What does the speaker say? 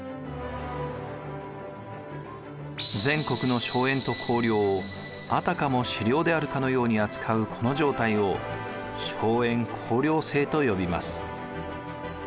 全国の荘園と公領をあたかも私領であるかのように扱うこの状態を荘園公領制と呼びます。